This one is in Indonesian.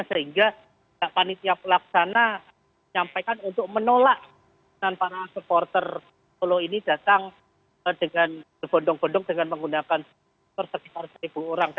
sehingga panitia pelaksana menyampaikan untuk menolak para supporter follow ini datang dengan digondong gondong dengan menggunakan persepitaran seribu orang